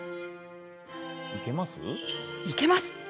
いけます？